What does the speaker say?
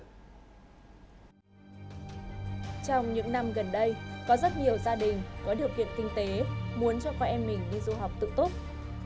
trong những năm gần đây có rất nhiều gia đình có điều kiện kinh tế muốn cho con em mình đi du học tự túc